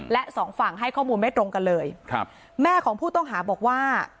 และสองฝั่งให้ข้อมูลไม่ตรงกันเลยครับแม่ของผู้ต้องหาบอกว่า